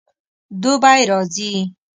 دوبی راځي